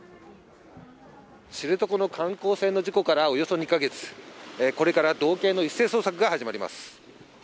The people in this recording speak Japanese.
知床の観光船の事故からおよそ２か月、これから道警の一斉捜索が始まります。